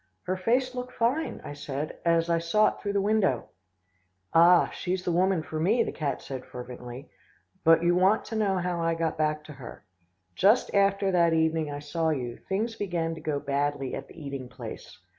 "Her face looked fine," I said, "as I saw it through the window." "Ah! she's the woman for me," said the cat fervently, "but you want to know how I got back to her. Just after that evening I saw you, things began to go badly at the eating place.